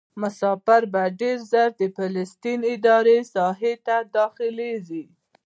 مسافر به ډېر ژر د فلسطیني ادارې ساحې ته داخلیږي.